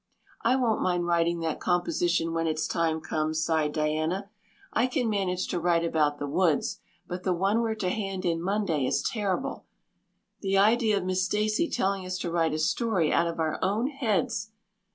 "I won't mind writing that composition when its time comes," sighed Diana. "I can manage to write about the woods, but the one we're to hand in Monday is terrible. The idea of Miss Stacy telling us to write a story out of our own heads!"